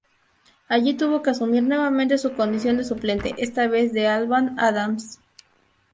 Allí tuvo que asumir nuevamente su condición de suplente, esta vez de Alvan Adams.